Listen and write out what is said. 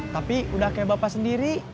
tapi udah kayak bapak sendiri